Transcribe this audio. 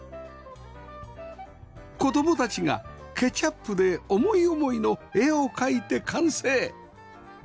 子供たちがケチャップで思い思いの絵を描いて完成